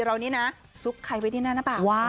เรานี้นะซุกใครไว้ด้วยหน้าปาก